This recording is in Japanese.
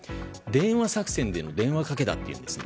電話作戦での電話かけだというんです。